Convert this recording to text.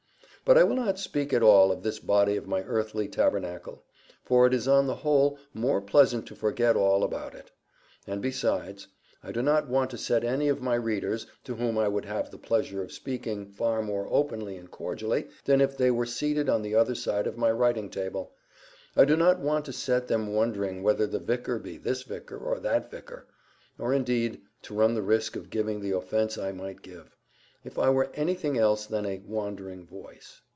But I will not speak at all of this body of my earthly tabernacle, for it is on the whole more pleasant to forget all about it. And besides, I do not want to set any of my readers to whom I would have the pleasure of speaking far more openly and cordially than if they were seated on the other side of my writing table—I do not want to set them wondering whether the vicar be this vicar or that vicar; or indeed to run the risk of giving the offence I might give, if I were anything else than "a wandering voice."